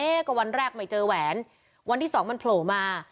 ก็วันแรกไม่เจอแหวนวันที่สองมันโผล่มา